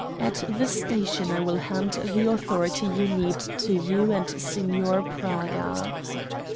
At the station I will hand the authority you need to you and Signor Praga."